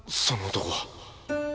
その男は。